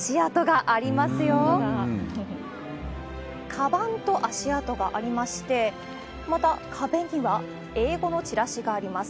かばんと足跡がありまして、また、壁には英語のチラシがあります。